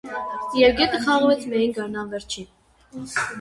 Եվ գետը խաղաղվեց միայն գարնան վերջին։